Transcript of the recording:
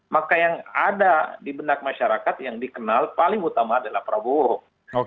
maka yang ada di benak masyarakat yang dikenal paling utama adalah prabowo